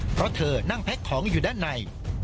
เพราะเธอนั่งแพ็คของอยู่ด้านใน